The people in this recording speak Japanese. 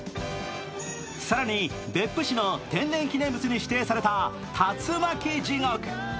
更に、別府市の天然記念物に指定された龍巻地獄。